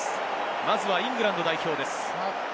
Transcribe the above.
まずはイングランド代表です。